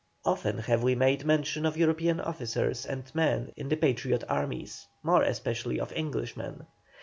Often have we made mention of European officers and men in the Patriot armies, more especially of Englishmen.